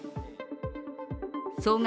総額